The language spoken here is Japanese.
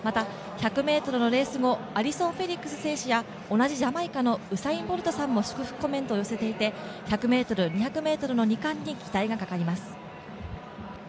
また１００ｍのレース後、アリソン・フェリックス選手や同じジャマイカのウサイン・ボルトさんも祝福コメントを寄せていて１００ｍ、２００ｍの２冠に期待がかかります。